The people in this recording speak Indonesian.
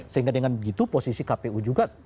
sehingga dengan begitu posisi kpu juga